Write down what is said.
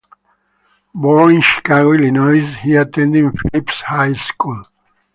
Born in Chicago, Illinois, he attended Phillips High School.